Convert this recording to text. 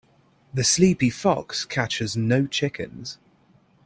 The sleepy fox catches no chickens.